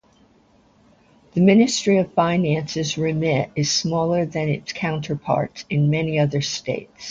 The Ministry of Finance's remit is smaller than its counterparts in many other states.